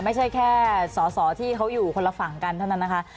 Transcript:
ไม่ใช่แค่สอสอที่เขาอยู่คนละฝั่งกันเท่านั้นนะคะ